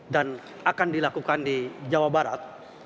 dan akan dilakukan di jawa barat